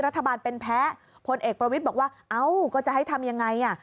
รัฐบาลเป็นแพ้พลเอกประวิทธิ์บอกว่าก็จะให้ทำอย่างไร